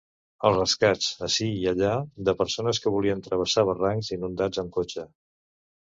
Els rescats ací i allà de persones que volien travessar barrancs inundats amb cotxe.